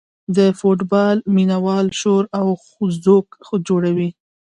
د فوټبال مینه وال شور او ځوږ جوړوي.